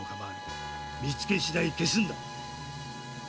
見つけしだい消すんだ！